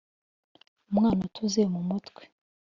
umwana utuzuye mumutwe